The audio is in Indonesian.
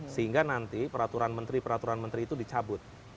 sehingga nanti peraturan menteri peraturan menteri itu dicabut